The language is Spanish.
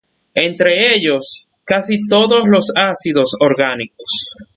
Entre ellos, casi todos los ácidos orgánicos.